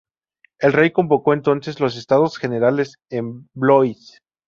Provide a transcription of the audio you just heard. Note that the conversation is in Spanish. El Rey convocó entonces los Estados Generales en Blois.